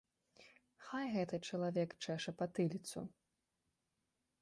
Хай гэты чалавек чэша патыліцу.